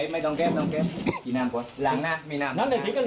มั้ยกลองแก้มนี่น้ำกว่าหลังหน้ามีน้ำน้ำเนี่ยทริกอ้น